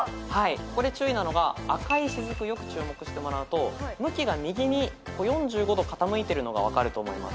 ここで注意なのが赤い滴よく注目してもらうと向きが右に４５度傾いてるのが分かると思います。